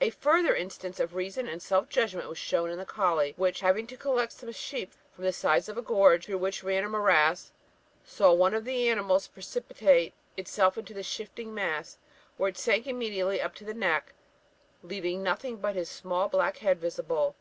"A further instance of reason and self judgment was shown in the colley, which, having to collect some sheep from the sides of a gorge, through which ran a morass, saw one of the animals precipitate itself into the shifting mass, where it sank immediately up to the neck, leaving nothing but its small black head visible.